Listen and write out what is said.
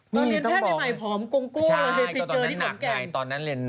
พี่ปุ้ยลูกโตแล้ว